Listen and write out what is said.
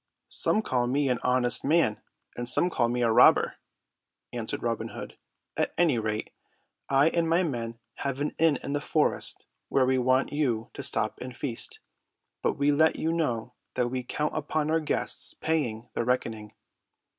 "Some call me an honest man and some call me a robber," answered Robin Hood. "At any rate, I and my men have an inn in the forest where we want you to stop and feast. But we let you know that we count upon our guests paying their reckoning."